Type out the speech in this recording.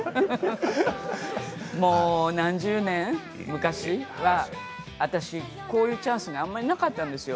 もう何十年昔は私、こういうチャンスあんまりなかったんですよ